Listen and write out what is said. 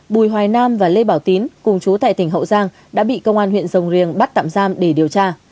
bùi hoài nam và lê bảo tín cùng chú tại tỉnh hậu giang đã bị công an huyện rồng riềng bắt tạm giam để điều tra